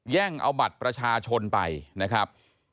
่งเอาบัตรประชาชนไปนะครับ